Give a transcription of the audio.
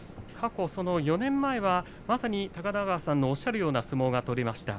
４年前は、まさに高田川さんのおっしゃるような相撲が取れました。